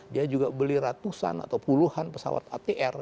dia juga beli ratusan atau puluhan pesawat atr